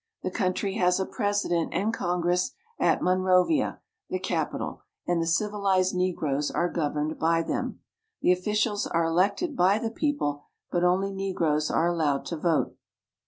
The country ' has a president and congress at Monrovia (mon ro'vT A), the capital, and the civihzed negroes are governed by them. The officials are elected by the people, but only negroes are allowed to vote.